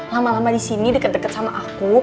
lama lama di sini deket deket sama aku